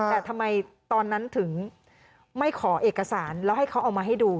แต่ทำไมตอนนั้นถึงไม่ขอเอกสารแล้วให้เขาเอามาให้ดู